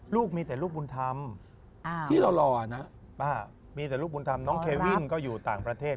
ลูกมีแต่ลูกบุญธรรมที่เรารอนะป้ามีแต่ลูกบุญธรรมน้องเควินก็อยู่ต่างประเทศ